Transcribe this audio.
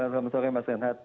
selamat sore mbak senat